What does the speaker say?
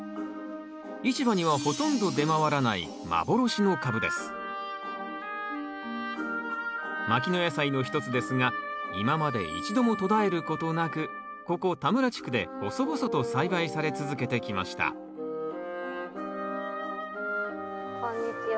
市場にはほとんど出回らない牧野野菜の一つですが今まで一度も途絶えることなくここ田村地区で細々と栽培され続けてきましたこんにちは。